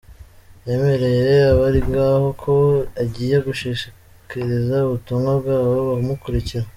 Yemereye abari ngaho ko agiye gushikiriza ubutumwa bwabo abamukurira.